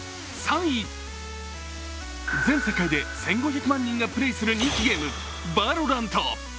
全世界で１５００万人がプレイする人気ゲーム「ＶＡＬＯＲＡＮＴ」。